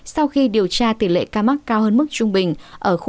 sau khi điều tra tỷ lệ ca mắc cao hơn mức trung bình